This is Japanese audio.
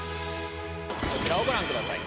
こちらをご覧ください。